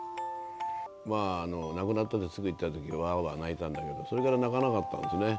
亡くなったあと、すぐ行ったとき、わーわー泣いたんだけど、それから泣かなかったんですね。